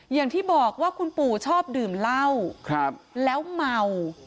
อย่างที่บอกว่าคุณปู่ชอบดื่มเหล้าแล้วเมา